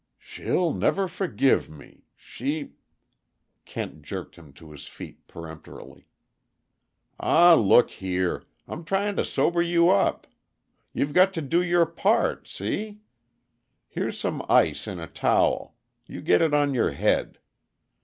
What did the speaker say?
"She'll never forgive me; she " Kent jerked him to his feet peremptorily. "Aw, look here! I'm trying to sober you up. You've got to do your part see? Here's some ice in a towel you get it on your head.